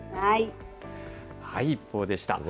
ＩＰＰＯＵでした。